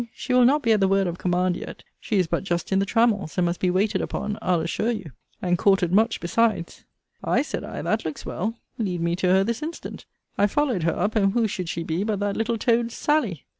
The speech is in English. She will not be at the word of command yet. She is but just in the trammels; and must be waited upon, I'll assure you; and courted much besides. Ay! said I, that looks well. Lead me to her this instant. I followed her up: and who should she be, but that little toad Sally!